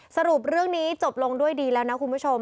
สรุปเรื่องนี้จบลงด้วยดีแล้วนะคุณผู้ชม